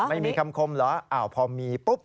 ไม่มีคำคมเหรออ้าวพอมีปุ๊บ